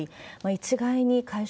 一概に解消